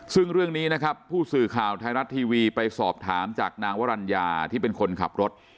ซึ่งเรื่องนี้นะครับผู้สื่อข่าวไทยรัฐทีวีไปสอบถามจากนางวรรณญาที่เป็นคนขับรถ